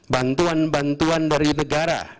bantuan bantuan dari negara